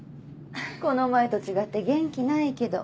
この前と違って元気ないけど。